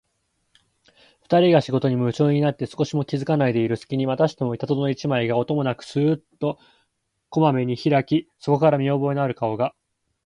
ふたりが仕事にむちゅうになって少しも気づかないでいるすきに、またしても板戸の一枚が、音もなくスーッと細めにひらき、そこから見おぼえのある顔が、